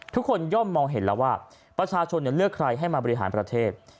ย่อมมองเห็นแล้วว่าประชาชนเลือกใครให้มาบริหารประเทศ